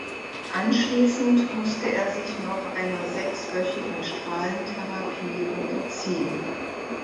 Anschließend musste er sich noch einer sechswöchigen Strahlentherapie unterziehen.